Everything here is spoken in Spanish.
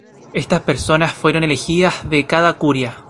Estas personas fueron elegidas de cada curia.